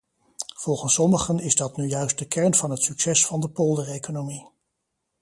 Volgens sommigen is dat nu juist de kern van het succes van de poldereconomie.